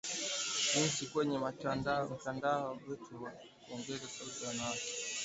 jinsia kwenye matangazo yetu kwa kuongeza sauti za wanawake, pamoja na kuwashirikisha zaidi vijana